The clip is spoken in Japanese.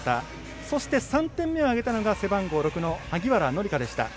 そして、３点目を挙げたのが背番号６の萩原紀佳でした。